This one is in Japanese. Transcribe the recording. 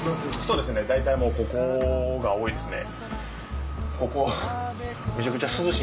そうですね大体ここが多いですね。